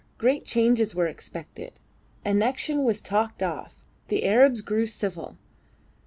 Great changes were expected; annexation was talked of; the Arabs grew civil.